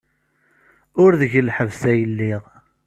Ur deg lḥebs ay lliɣ.